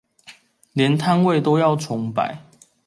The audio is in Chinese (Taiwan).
連攤位都要重擺